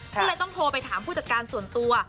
ก็เลยต้องโทรไปถามผู้จัดการส่วนตัว